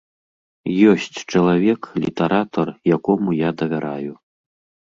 Ёсць чалавек, літаратар, якому я давяраю.